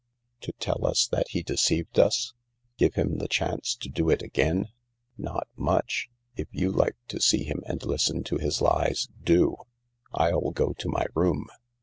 To tell us that he deceived us ? Give him the chance to do it again ? Not much. If you like to see him and listen to his lies, do. I'll go to my room."